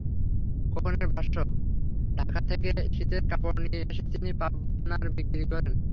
খোকনের ভাষ্য, ঢাকা থেকে শীতের কাপড় নিয়ে এসে তিনি পাবনায় বিক্রি করেন।